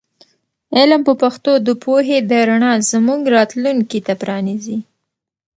علم په پښتو د پوهې د رڼا زموږ راتلونکي ته پرانیزي.